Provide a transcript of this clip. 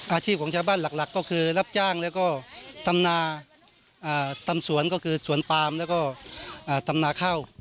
อาชีพของชาวบ้านหลักก็คือรับจ้างแล้วก็ทำนาทำสวนก็คือสวนปามแล้วก็ทำนาข้าว